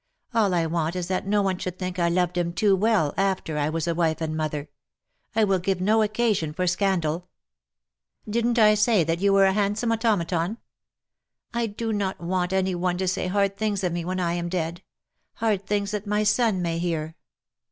All I want is that no one should think I loved him too well after I was a wife and mother. I will give no occasion for scandal.^^ " DidnH I say that you were a handsome auto maton?'' '" I do not want any one to say hard things of me when I am dead — hard things that my son may hear.